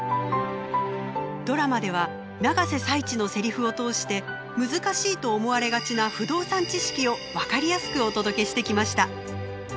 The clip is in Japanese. ドラマでは永瀬財地のセリフを通して難しいと思われがちな不動産知識を分かりやすくお届けしてきました。